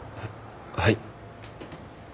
はい。